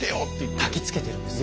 たきつけてるんですよ。